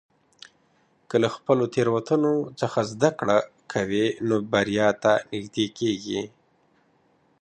که له خپلو تېروتنو څخه زده کړه کوې، نو بریا ته نږدې کېږې.